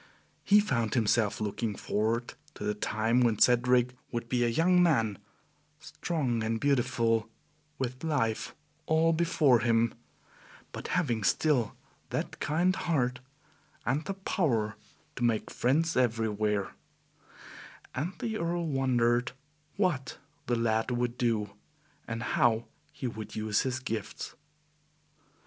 He found himself looking forward to the time when Cedric would be a young man, strong and beautiful, with life all before him, but having still that kind heart and the power to make friends everywhere, and the Earl wondered what the lad would do, and how he would use his gifts.